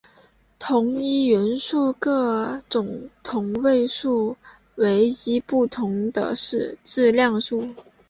同一元素各种同位素唯一不同的是质量数。